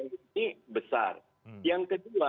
ini besar yang kedua